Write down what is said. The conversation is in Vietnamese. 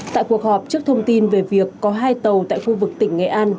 tại cuộc họp trước thông tin về việc có hai tàu tại khu vực tỉnh nghệ an